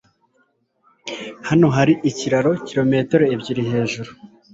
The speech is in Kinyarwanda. Hano hari ikiraro kirometero ebyiri hejuru.